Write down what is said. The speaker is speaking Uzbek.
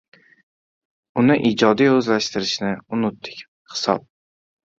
Uni ijodiy o‘zlashtirishni unutdik, hisob.